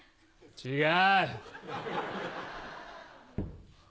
違う。